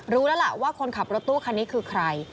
รู้แล้วล่ะว่าคนขับรถตู้คันนี้คือใคร